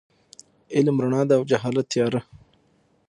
علم رڼا ده او جهالت تیاره.